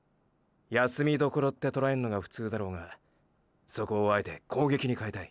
休みどころってとらえんのがフツーだろうがそこをあえて攻撃にかえたい。